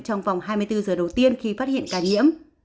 trong vòng hai mươi bốn giờ đầu tiên khi phát hiện ca nhiễm